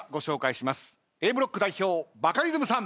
Ａブロック代表バカリズムさん！